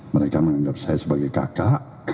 mereka menganggap saya sebagai kakak